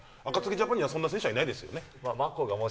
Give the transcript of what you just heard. ジャパンにはそんな選手いないですよね。